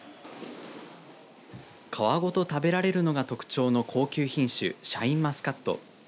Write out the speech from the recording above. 皮ごと食べられるのが特徴の高級品種シャインマスカット。